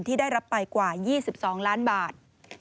ที่ได้รับไปกว่า๒๒ล้านบาท